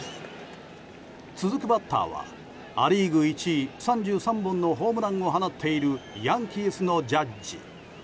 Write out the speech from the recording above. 続くバッターはア・リーグ１位３３本のホームランを放っているヤンキースのジャッジ。